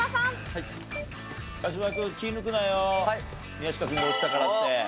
宮近君が落ちたからって。